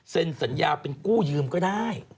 สัญญาเป็นกู้ยืมก็ได้